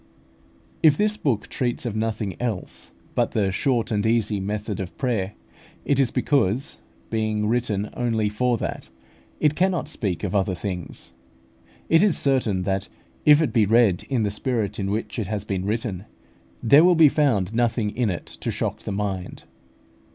If this book treats of nothing else but the short and easy method of prayer, it is because, being written only for that, it cannot speak of other things. It is certain that, if it be read in the spirit in which it has been written, there will be found nothing in it to shock the mind.